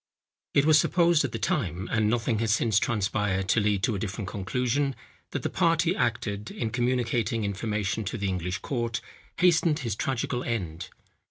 It was supposed at the time, and nothing has since transpired to lead to a different conclusion, that the part he acted, in communicating information to the English court, hastened his tragical end.